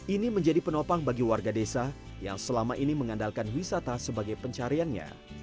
ini menjadi penopang bagi warga desa yang selama ini mengandalkan wisata sebagai pencariannya